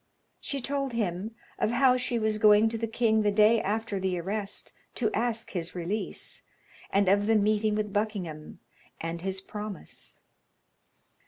She told him of how she was going to the king the day after the arrest to ask his release, and of the meeting with Buckingham, and his promise.